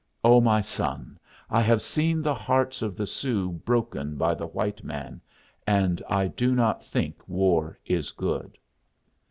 Oh, my son, I have seen the hearts of the Sioux broken by the white man, and I do not think war is good."